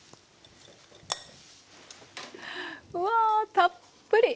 うわたっぷり！